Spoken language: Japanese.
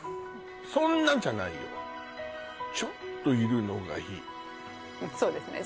そんなじゃないよちょっといるのがいいそうですね